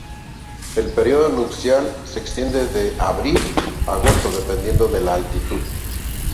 El periodo nupcial se extiende de abril a agosto, dependiendo de la altitud.